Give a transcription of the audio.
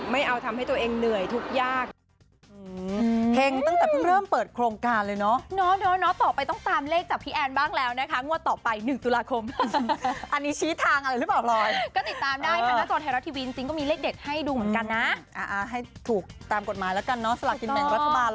ไม่เอาทำให้ตัวเองเหนื่อยทุกข์ยาก